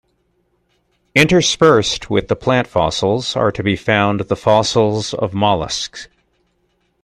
Interspersed with the plant fossils are to be found the fossils of molluscs.